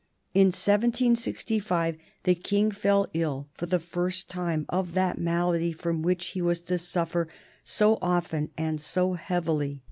In 1765 the King fell ill for the first time of that malady from which he was to suffer so often and so heavily.